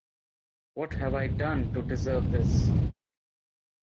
What Have I Done to Deserve This?